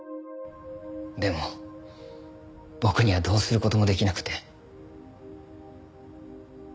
でも僕にはどうする事もできなくて。